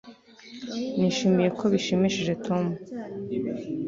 nishimiye ko bishimishije tom